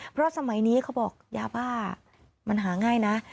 เพราะสมัยนี้เขาบอกยาบ้ามันหาง่ายนะ